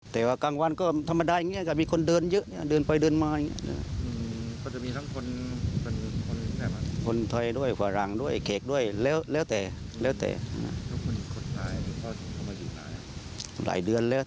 ตั้งแต่ปีที่แล้วนู้นน่ะปีที่แล้วก่อนแล้วหลายเดือนแล้ว